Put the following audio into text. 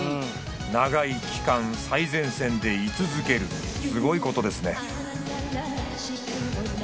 長い期間最前線で居続けるすごいことですね